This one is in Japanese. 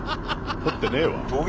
とってねえわ。